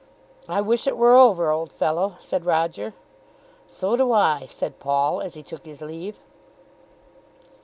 "I wish it were over, old fellow," said Roger. "So do I," said Paul, as he took his leave.